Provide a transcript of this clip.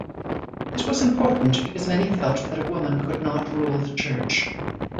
This was important because many felt that a woman could not rule the church.